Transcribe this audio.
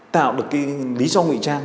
tạo được lý do ngụy trang